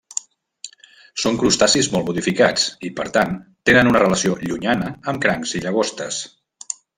Són crustacis molt modificats i, per tant, tenen una relació llunyana amb crancs i llagostes.